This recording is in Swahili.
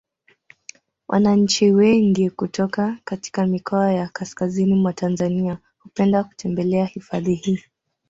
Wananchi wengi kutoka katika mikoa ya kaskazini mwa Tanzania hupenda kutembelea hifadhi hii